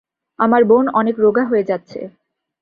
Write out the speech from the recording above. আমার বোন অনেক রোগা হয়ে যাচ্ছে।